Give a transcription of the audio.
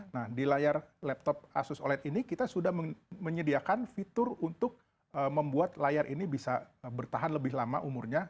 nah di layar laptop asus oled ini kita sudah menyediakan fitur untuk membuat layar ini bisa bertahan lebih lama umurnya